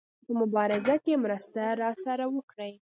په مبارزه کې مرسته راسره وکړي.